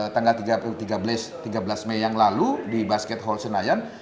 tanggal tiga belas mei yang lalu di basket hall senayan